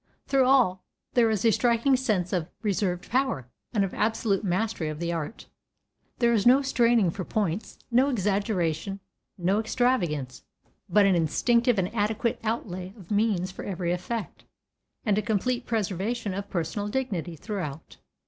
Through all there is a striking sense of reserved power, and of absolute mastery of the art. There is no straining for points, no exaggeration, no extravagance, but an instinctive and adequate outlay of means for every effect, and a complete preservation of personal dignity throughout.